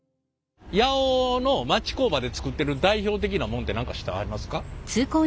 八尾の町工場で作ってる代表的なもんって何か知ってはりますか？